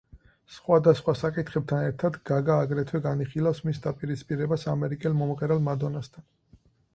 სხვადასხვა საკითხებთან ერთად გაგა აგრეთვე განიხილავს მის დაპირისპირებას ამერიკელ მომღერალ მადონასთან.